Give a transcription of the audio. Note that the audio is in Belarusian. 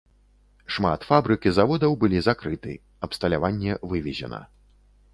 Шмат фабрык і заводаў былі закрыты, абсталяванне вывезена.